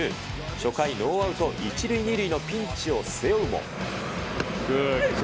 初回、ノーアウト１塁２塁のピンチを背負うも。